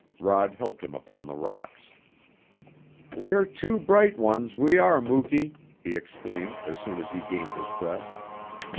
Rod helped him upon the rocks. "We're two bright ones, we are, Muky!" he exclaimed, as soon as he gained his breath.